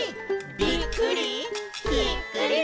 「ぴっくり！